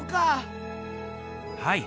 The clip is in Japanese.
はい。